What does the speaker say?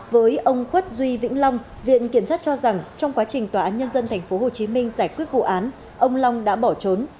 với ông khuất duy vĩnh long viện kiểm sát cho rằng trong quá trình tòa án nhân dân tp hcm giải quyết vụ án ông long đã bỏ trốn